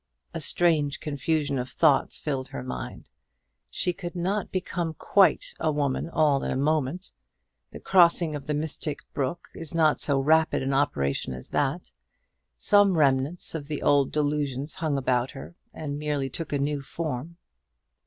A strange confusion of thoughts filled her mind. She could not become quite a woman all in a moment; the crossing of the mystic brook is not so rapid an operation as that. Some remnants of the old delusions hung about her, and merely took a new form.